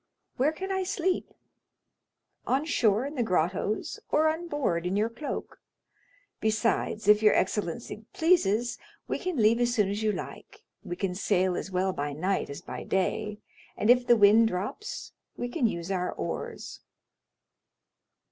"Where can I sleep?" "On shore in the grottos, or on board in your cloak; besides, if your excellency pleases, we can leave as soon as you like—we can sail as well by night as by day, and if the wind drops we can use our oars."